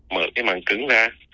mở cái màng cứng ra